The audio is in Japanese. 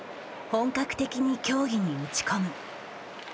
本格的に競技に打ち込む。